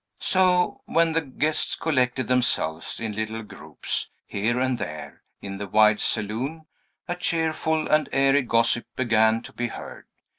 So, when the guests collected themselves in little groups, here and there, in the wide saloon, a cheerful and airy gossip began to be heard.